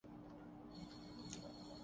البتہ یہ واضح ہو چکا کہ جہاں فکر جگر کی تھی۔